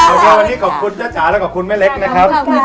เอาละวันนี้ขอบคุณจ้าจ๋าแล้วก็คุณแม่เล็กนะครับ